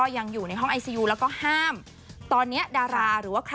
ส่งมาให้โอโนเฟอร์เรเวอร์